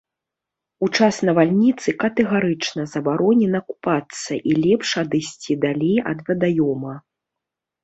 У час навальніцы катэгарычна забаронена купацца і лепш адысці далей ад вадаёма.